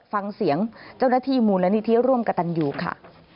ฟังเสียงเจ้าหน้าที่มูลนิธิร่วมกับตันยูค่ะ